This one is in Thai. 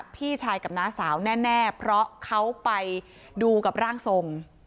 พี่ชายกับน้าสาวแน่เพราะเขาไปดูกับร่างทรง